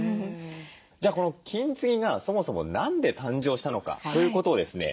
じゃあこの金継ぎがそもそも何で誕生したのかということをですね